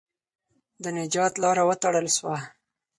د نجات لاره وتړل سوه.